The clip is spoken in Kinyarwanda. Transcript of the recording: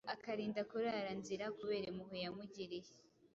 akarinda kurara nzira kubera impuhwe yamugiriye.